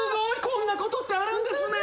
こんなことってあるんですね。